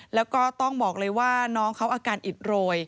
แล้วก็ต้องบอกเลยว่าน้องเขาอาการอิดโรย